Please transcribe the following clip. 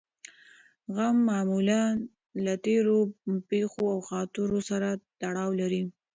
غم معمولاً له تېرو پېښو او خاطرو سره تړاو لري.